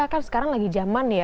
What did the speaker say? kan sekarang lagi zaman ya